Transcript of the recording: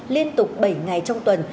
liên tục bảy ngày trong tuần